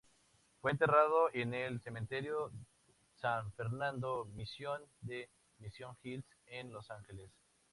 Fue enterrado en el Cementerio San Fernando Mission de Mission Hills, en Los Ángeles.